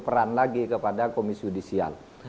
peran lagi kepada komisi judisial